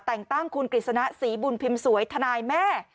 แต่งตั้งคุณกฤษณะศรีบุญพิมพ์สวยทนายแม่